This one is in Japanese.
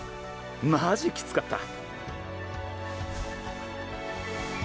マジきつかった。